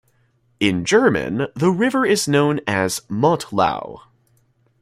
In German the river is known as "Mottlau".